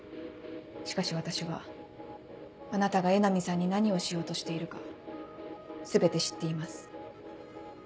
しかし私はあなたが江波さんに何をしようとしているか全て知っています。